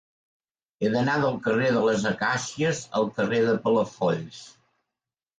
He d'anar del carrer de les Acàcies al carrer de Palafolls.